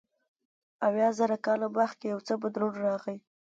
اویا زره کاله مخکې یو څه بدلون راغی.